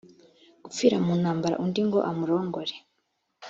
gupfira mu ntambara undi ngo amurongore